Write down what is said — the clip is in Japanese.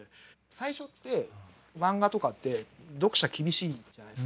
最初って漫画とかって読者厳しいじゃないですか。